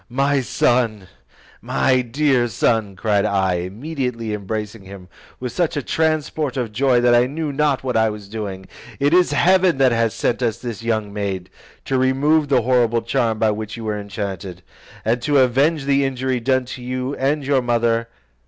"My son, my dear son," cried I, immediately embracing him with such a transport of joy that I knew not what I was doing, "it is heaven that hath sent us this young maid, to remove the horrible charm by which you were enchanted, and to avenge the injury done to you and your mother.